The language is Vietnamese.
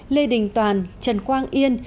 lê đình toàn trần quang yên